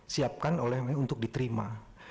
siapkan oleh untuk diterima